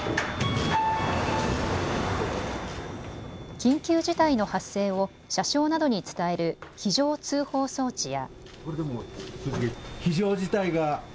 緊急事態の発生を車掌などに伝える、非常通報装置や。